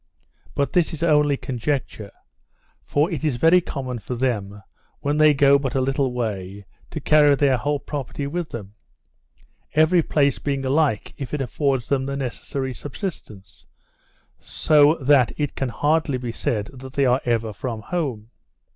But this is only conjecture; for it is very common for them, when they go but a little way, to carry their whole property with them; every place being alike, if it affords them the necessary subsistence; so that it can hardly be said they are ever from home.